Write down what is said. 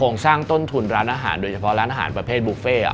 สร้างต้นทุนร้านอาหารโดยเฉพาะร้านอาหารประเภทบุฟเฟ่